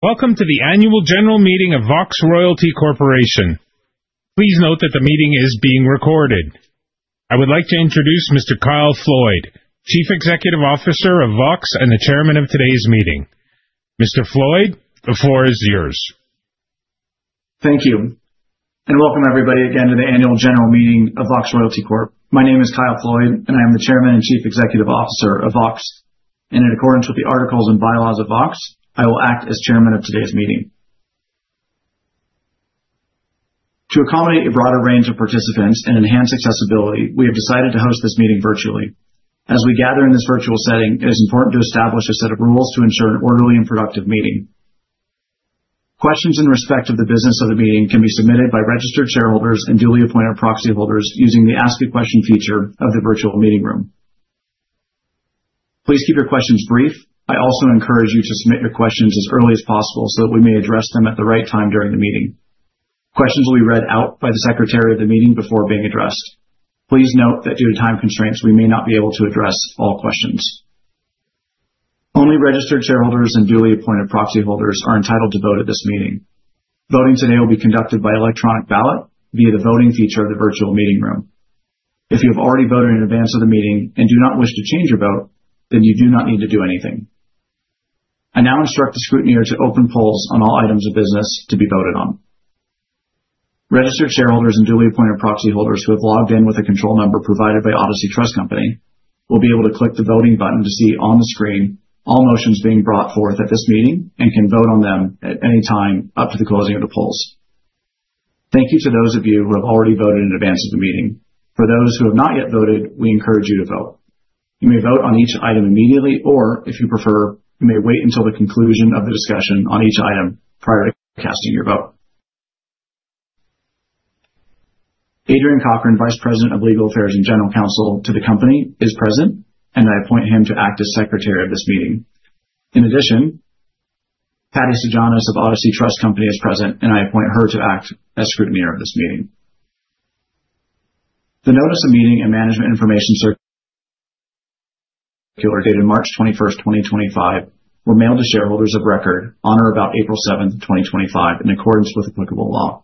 Welcome to the annual general meeting of Vox Royalty Corporation. Please note that the meeting is being recorded. I would like to introduce Mr. Kyle Floyd, Chief Executive Officer of Vox and the Chairman of today's meeting. Mr. Floyd, the floor is yours. Thank you, and welcome everybody again to the annual general meeting of Vox Royalty Corp. My name is Kyle Floyd, and I am the Chairman and Chief Executive Officer of Vox. In accordance with the articles and bylaws of Vox, I will act as Chairman of today's meeting. To accommodate a broader range of participants and enhance accessibility, we have decided to host this meeting virtually. As we gather in this virtual setting, it is important to establish a set of rules to ensure an orderly and productive meeting. Questions in respect of the business of the meeting can be submitted by registered shareholders and duly appointed proxy holders using the Ask a Question feature of the virtual meeting room. Please keep your questions brief. I also encourage you to submit your questions as early as possible so that we may address them at the right time during the meeting. Questions will be read out by the secretary of the meeting before being addressed. Please note that due to time constraints, we may not be able to address all questions. Only registered shareholders and duly appointed proxy holders are entitled to vote at this meeting. Voting today will be conducted by electronic ballot via the voting feature of the virtual meeting room. If you have already voted in advance of the meeting and do not wish to change your vote, then you do not need to do anything. I now instruct the scrutineer to open polls on all items of business to be voted on. Registered shareholders and duly appointed proxy holders who have logged in with a control number provided by Odyssey Trust Company will be able to click the voting button to see on the screen all motions being brought forth at this meeting and can vote on them at any time up to the closing of the polls. Thank you to those of you who have already voted in advance of the meeting. For those who have not yet voted, we encourage you to vote. You may vote on each item immediately, or if you prefer, you may wait until the conclusion of the discussion on each item prior to casting your vote. Adrian Cochran, Vice President of Legal Affairs and General Counsel to the company, is present, and I appoint him to act as Secretary of this meeting. In addition, Patty Sigiannis of Odyssey Trust Company is present, and I appoint her to act as scrutineer of this meeting. The notice of meeting and Management Information Circular dated March 21, 2025, were mailed to shareholders of record on or about April 7, 2025, in accordance with applicable law.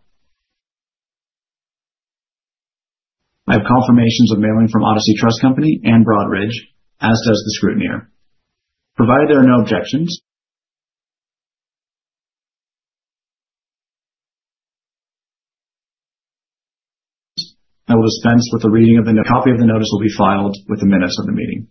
I have confirmations of mailing from Odyssey Trust Company and Broadridge, as does the scrutineer. Provided there are no objections, I will dispense with the reading of the notice. A copy of the notice will be filed with the minutes of the meeting.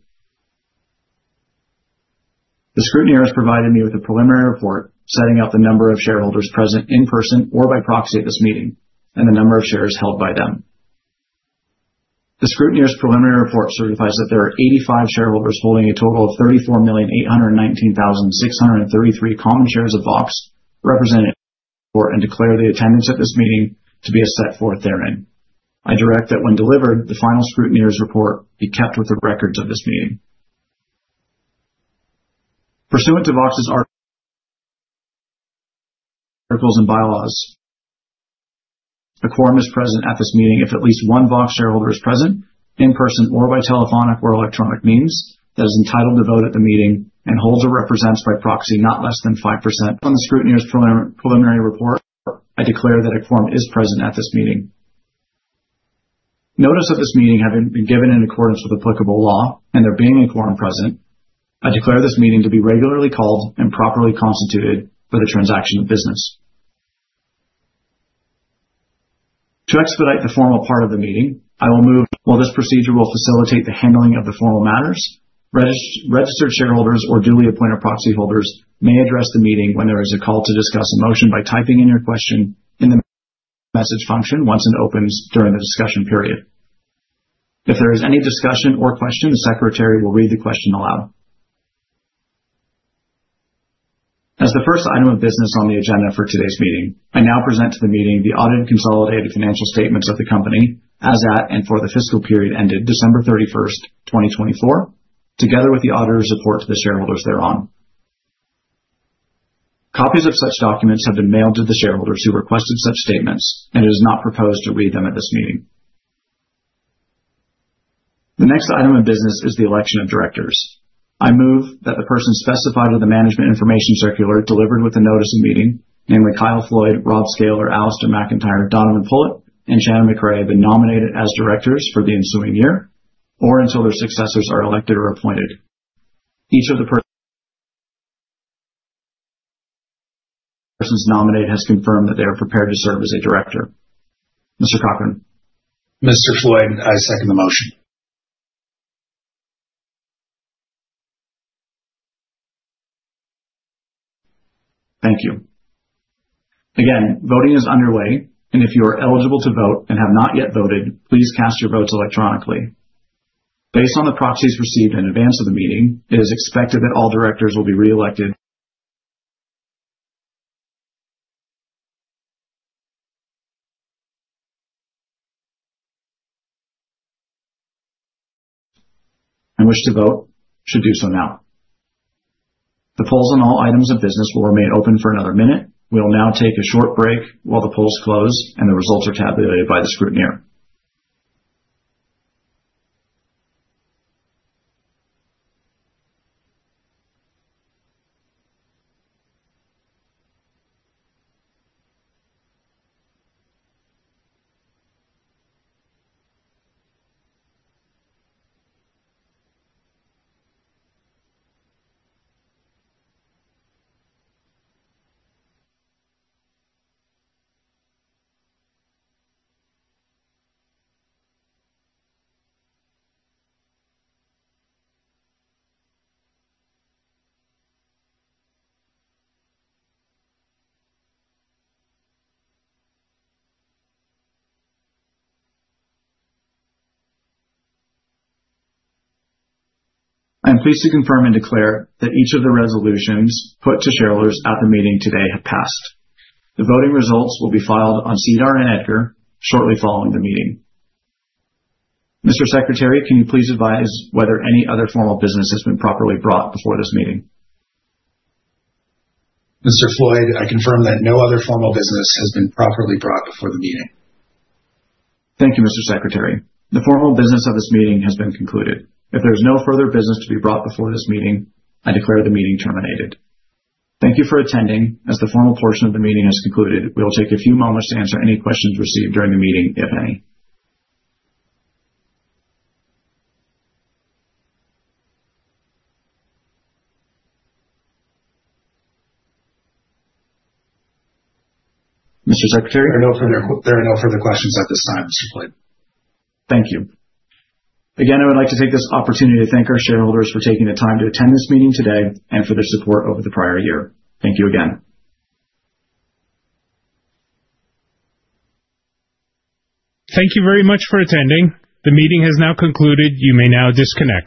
The scrutineer has provided me with a preliminary report setting out the number of shareholders present in person or by proxy at this meeting and the number of shares held by them. The scrutineer's preliminary report certifies that there are 85 shareholders holding a total of 34,819,633 common shares of Vox represented and declare the attendance at this meeting to be as set forth therein. I direct that when delivered, the final scrutineer's report be kept with the records of this meeting. Pursuant to Vox's articles and bylaws, a quorum is present at this meeting if at least one Vox shareholder is present in person or by telephonic or electronic means that is entitled to vote at the meeting and holds or represents by proxy not less than 5%. On the scrutineer's preliminary report, I declare that a quorum is present at this meeting. Notice of this meeting having been given in accordance with applicable law and there being a quorum present, I declare this meeting to be regularly called and properly constituted for the transaction of business. To expedite the formal part of the meeting, I will move. While this procedure will facilitate the handling of the formal matters, registered shareholders or duly appointed proxy holders may address the meeting when there is a call to discuss a motion by typing in your question in the message function once it opens during the discussion period. If there is any discussion or question, the secretary will read the question aloud. As the first item of business on the agenda for today's meeting, I now present to the meeting the audited and consolidated financial statements of the company as at and for the fiscal period ended December 31, 2024, together with the auditor's report to the shareholders thereon. Copies of such documents have been mailed to the shareholders who requested such statements, and it is not proposed to read them at this meeting. The next item of business is the election of directors. I move that the persons specified in the management information circular delivered with the notice of meeting, namely Kyle Floyd, Rob Sckalor, Alastair McIntyre, Donovan Pullitt, and Shannon McCrae, be nominated as directors for the ensuing year or until their successors are elected or appointed. Each of the persons nominated has confirmed that they are prepared to serve as a director. Mr. Cochran. Mr. Floyd, I second the motion. Thank you. Again, voting is underway, and if you are eligible to vote and have not yet voted, please cast your votes electronically. Based on the proxies received in advance of the meeting, it is expected that all directors will be reelected and wish to vote, should do so now. The polls on all items of business will remain open for another minute. We will now take a short break while the polls close and the results are tabulated by the scrutineer. I am pleased to confirm and declare that each of the resolutions put to shareholders at the meeting today have passed. The voting results will be filed on SEDAR and EDGAR shortly following the meeting. Mr. Secretary, can you please advise whether any other formal business has been properly brought before this meeting? Mr. Floyd, I confirm that no other formal business has been properly brought before the meeting. Thank you, Mr. Secretary. The formal business of this meeting has been concluded. If there is no further business to be brought before this meeting, I declare the meeting terminated. Thank you for attending. As the formal portion of the meeting has concluded, we will take a few moments to answer any questions received during the meeting, if any. Mr. Secretary? There are no further questions at this time, Mr. Floyd. Thank you. Again, I would like to take this opportunity to thank our shareholders for taking the time to attend this meeting today and for their support over the prior year. Thank you again. Thank you very much for attending. The meeting has now concluded. You may now disconnect.